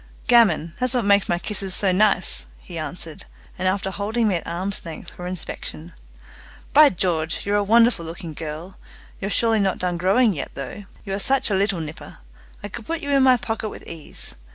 "Gammon, that's what makes my kisses so nice!" he answered; and, after holding me at arm's length for inspection, "By George, you're a wonderful looking girl! You're surely not done growing yet, though! You are such a little nipper. I could put you in my pocket with ease.